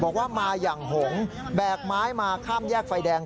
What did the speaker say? บอกว่ามาอย่างหงแบกไม้มาข้ามแยกไฟแดง